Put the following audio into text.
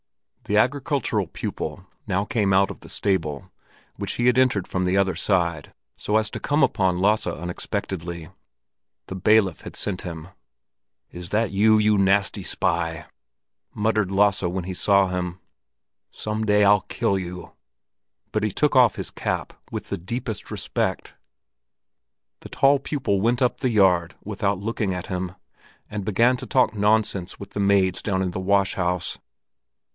The agricultural pupil now came out of the stable, which he had entered from the other side, so as to come upon Lasse unexpectedly. The bailiff had sent him. "Is that you, you nasty spy!" muttered Lasse when he saw him. "Some day I'll kill you!" But he took off his cap with the deepest respect. The tall pupil went up the yard without looking at him, and began to talk nonsense with the maids down in the wash house.